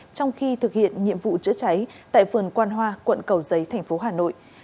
trong khi thực hiện nhiệm vụ chữa cháy tại phường quan hoa quận cầu giấy tp hà nội